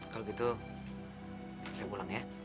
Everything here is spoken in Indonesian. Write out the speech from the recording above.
kalau gitu saya pulang ya